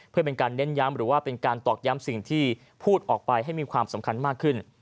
เพื่อเป็นการเน้นย้ำหรือว่าเป็นการตอกย้ำสิ่งที่พูดออกไปให้มีความสำคัญมากขึ้น